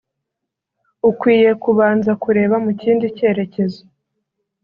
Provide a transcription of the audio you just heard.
ukwiye kubanza kureba mu kindi cyerekezo